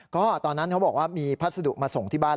ก็ตอนนั้นเขาบอกว่ามีพัสดุมาส่งที่บ้าน